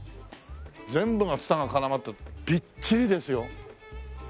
全部がツタが絡まってびっちりですよ。